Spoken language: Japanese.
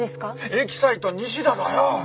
エキサイト西田だよ！